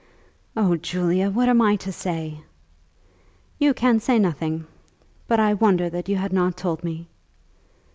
"Oh, Julia, what am I to say?" "You can say nothing; but I wonder that you had not told me."